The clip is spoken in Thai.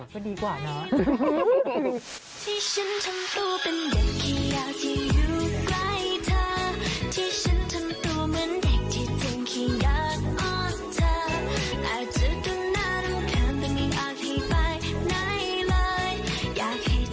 ก็ดีกว่าเนาะ